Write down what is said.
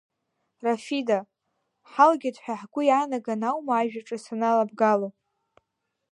Рафида, ҳалгеит ҳәа ҳгәы иаанагоны аума ажәа ҿыц аналабгало.